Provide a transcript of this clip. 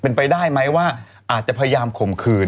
เป็นไปได้ไหมว่าอาจจะพยายามข่มขืน